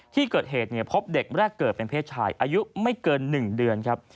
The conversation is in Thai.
ที่เกิดเหตุพบเด็กแรกเกิดเป็นเพศชายอายุไม่เกิน๑เดือนครับ